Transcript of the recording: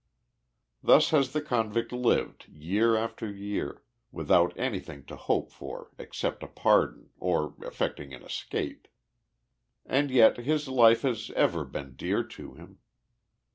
Thus has the convict lived year after year, without anything to hope for except a pardon, or effecting an escape. And yet his life has ever been dear to him.